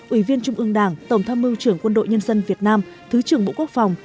ủy viên trung ương đảng tổng tham mưu trưởng quân đội nhân dân việt nam thứ trưởng bộ quốc phòng